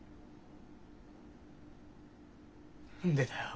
何でだよ。